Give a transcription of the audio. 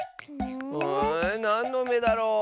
んなんのめだろう？